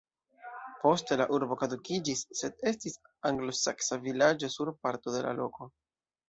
Poste la urbo kadukiĝis, sed estis anglosaksa vilaĝo sur parto de la loko.